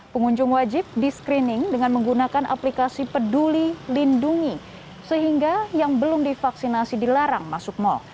pengunjung wajib di screening dengan menggunakan aplikasi peduli lindungi sehingga yang belum divaksinasi dilarang masuk mal